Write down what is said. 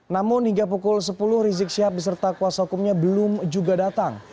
namun hingga pukul sepuluh rizik syihab beserta kuasa hukumnya belum juga datang